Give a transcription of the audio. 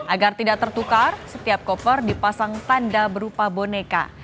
agar tidak tertukar setiap koper dipasang tanda berupa boneka